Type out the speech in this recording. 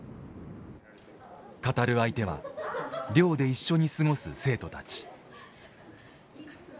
語る相手は寮で一緒に過ごす生徒たち。